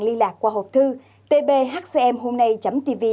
liên lạc qua hộp thư tbhcmhômnay tv